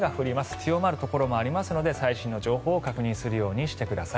強まるところもありますので最新の情報を確認するようにしてください。